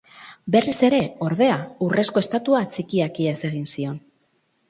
Berriz ere, ordea, urrezko estatua txikiak ihes egin zion.